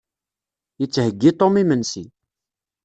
Yettheyyi Tom imensi.